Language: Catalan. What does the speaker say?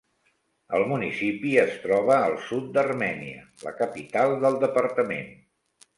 El municipi es troba al sud d'Armènia, la capital del departament.